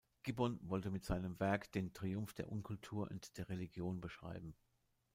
Gibbon wollte mit seinem Werk den „Triumph der Unkultur und der Religion“ beschreiben.